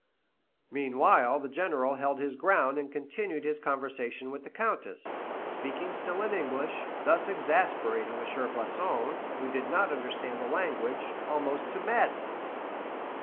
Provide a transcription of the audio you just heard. Meanwhile the General held his ground and continued his conversation with the Countess, speaking still in English, thus exasperating M. Floçon, who did not understand the language, almost to madness.